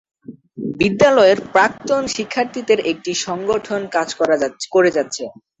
বিদ্যালয়ের প্রাক্তন শিক্ষার্থীদের একটি সংগঠন কাজ করে যাচ্ছে।